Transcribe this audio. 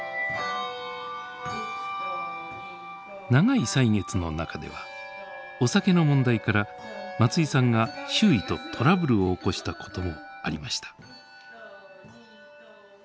長い歳月の中ではお酒の問題から松井さんが周囲とトラブルを起こしたこともありました。